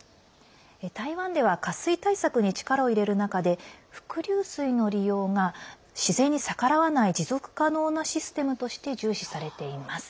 台湾では、渇水対策に力を入れる中で伏流水の利用が自然に逆らわない持続可能なシステムとして重視されています。